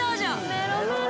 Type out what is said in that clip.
メロメロ